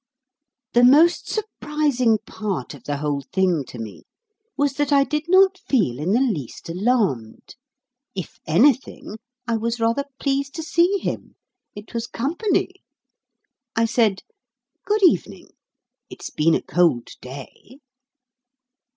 The most surprising part of the whole thing to me was that I did not feel in the least alarmed. If anything, I was rather pleased to see him. It was company. I said, "Good evening. It's been a cold day!"